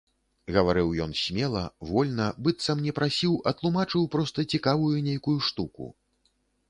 Гаварыў ён смела, вольна, быццам не прасіў, а тлумачыў проста цікавую нейкую штуку.